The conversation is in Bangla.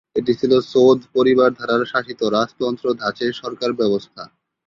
এটি ছিল সৌদ পরিবার দ্বারা শাসিত রাজতন্ত্র ধাচের সরকার ব্যবস্থা।